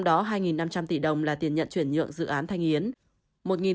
đó hai năm trăm linh tỷ đồng là tiền nhận chuyển nhượng dự án thanh yến